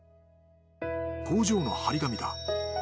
工場の貼り紙だ。